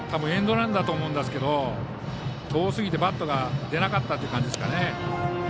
エンドランだと思うんですけど遠すぎてバットが出なかった感じですかね。